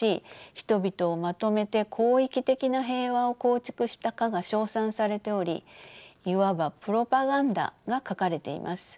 人々をまとめて広域的な平和を構築したかが称賛されておりいわばプロパガンダが書かれています。